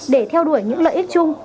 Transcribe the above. để theo đuổi những lợi ích chung